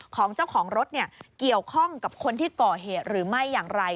ของเจ้าของรถเกี่ยวข้องกับคนที่ก่อเหตุหรือไม่อย่างไร